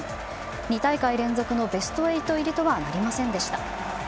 ２大会連続のベスト８入りとはなりませんでした。